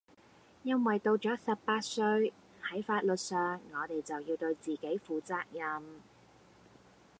因為到咗十八歲，係法律上我地就要對自己負責任